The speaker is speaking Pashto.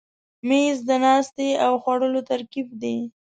مېز د ناستې او خوړلو ترکیب دی.